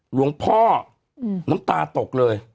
หลวงพ่อน้ำตาตกเลย